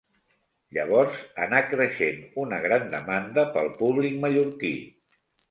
Llavors anar creixent una gran demanda pel públic mallorquí.